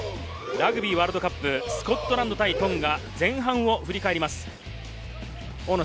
ラグビーワールドカップ、スコットランド対トンガ、前半を振り返ります。